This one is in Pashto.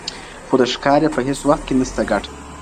خو د ښکار یې په هیڅ وخت کي نسته ګټه.